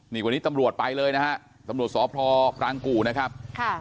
นี่วันนี้ตำรวจไปเลยนะฮะตำรวจสพปรางกู่นะครับค่ะ